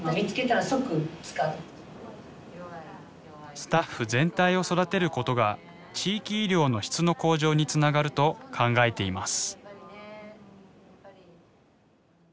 スタッフ全体を育てることが地域医療の質の向上につながると考えています。